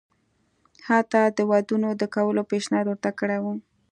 حتی د ودونو د کولو پېشنهاد ورته کړی وو.